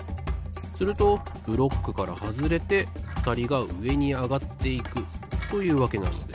するとブロックからはずれてふたりがうえにあがっていくというわけなのです。